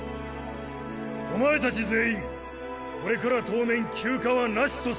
お前たち全員これから当面休暇はなしとする。